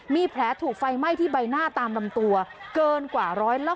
มีแผลถูกไฟไหม้ที่ใบหน้าตามลำตัวเกินกว่า๑๕